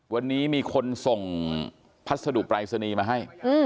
วันนี้มีคนส่งพัสดุปรายศนีย์มาให้